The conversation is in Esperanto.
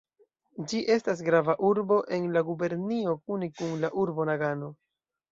Ĝi estas grava urbo en la gubernio kune kun la urbo Nagano.